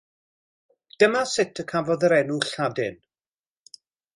Dyma sut y cafodd yr enw Lladin.